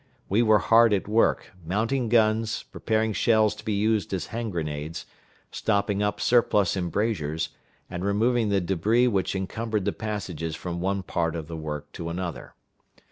We were hard at work, mounting guns, preparing shells to be used as hand grenades, stopping up surplus embrasures, and removing the débris which encumbered the passages from one part of the work to another.